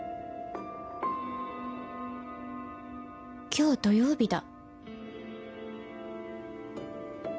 今日土曜日だ